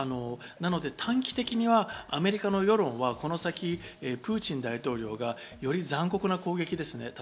なので短期的にはアメリカの世論はこの先、プーチン大統領がより残酷な攻撃ですね。